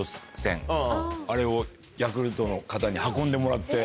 あれをヤクルトの方に運んでもらって。